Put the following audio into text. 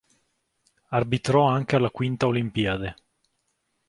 Arbitrò anche alla V Olimpiade.